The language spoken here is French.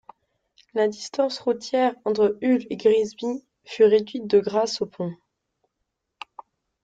La distance routière entre Hull et Grimsby fut réduite de grâce au pont.